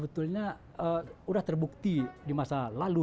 menurut ayrodhisha prokurasi bahasa thailand